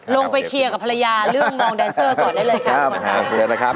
ลงไปเคียกกับภรรยาเรื่องวองแดนเซอร์ก่อนได้เลยครับ